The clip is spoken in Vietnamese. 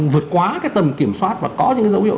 vượt quá cái tầm kiểm soát và có những cái dấu hiệu